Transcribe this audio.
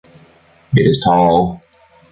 It is tall.